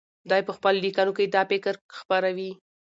دی په خپلو لیکنو کې دا فکر خپروي.